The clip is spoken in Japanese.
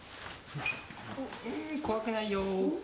んー怖くないよ。